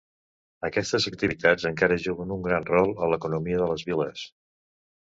Aquestes activitats encara juguen un gran rol a l'economia de les viles.